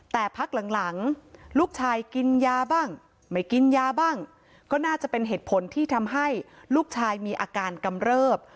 แต่พักหลังลูกชายกินยาบ้างไม่กินยาบ้างก็น่าจะเป็นเหตุผลที่ทำให้ลูกชายมีอาการกำเริบ